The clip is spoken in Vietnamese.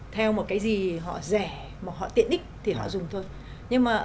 theo một cái gì họ rẻ họ tiện ích thì họ dùng thôi